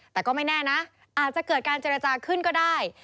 แต่ก็ไม่แน่นะอาจจะเกิดการเจรจาขึ้นก็ได้